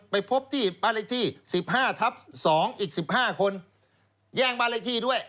ไปพบที่บ้านเลขที่๑๕ทับ๒อีก๑๕คนแย่งบ้านเลขที่ด้วย